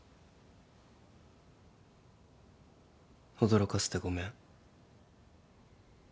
驚かせてごめん。